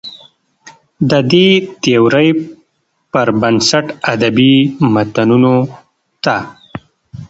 د دې تيورۍ پر بنسټ ادبي متونو ته